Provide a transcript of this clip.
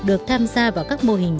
được tham gia vào các mô hình